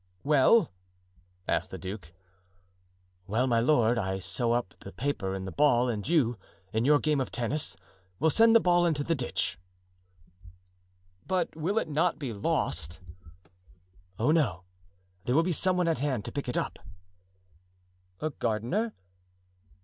"Well?" asked the duke. "Well, my lord, I sew up the paper in the ball and you, in your game of tennis, will send the ball into the ditch." "But will it not be lost?" "Oh no; there will be some one at hand to pick it up." "A gardener?"